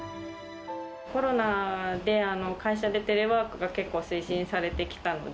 コロナで会社でテレワークが結構推進されてきたので。